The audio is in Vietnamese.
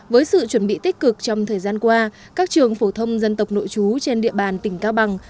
với sự chuẩn bị tích cực trong thời gian qua các trường phổ thông dân tộc nội chú trên địa bàn tỉnh cao bằng